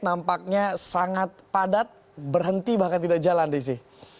nampaknya sangat padat berhenti bahkan tidak jalan desi